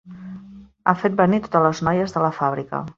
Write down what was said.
Ha fet venir totes les noies de la fàbrica